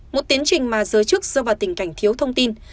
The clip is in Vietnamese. một tiến trình mà giới chức do bà tình cảnh thiếu thông tin